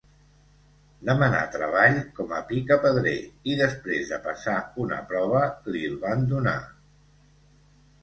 Demanà treball com a picapedrer i, després de passar una prova, li'l van donar.